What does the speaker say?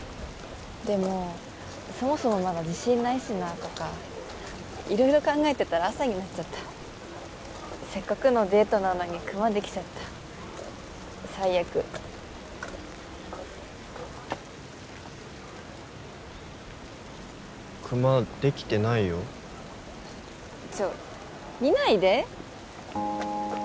でもそもそもまだ自信ないしなあとか色々考えてたら朝になっちゃったせっかくのデートなのにクマできちゃった最悪クマできてないよちょっ見ないで！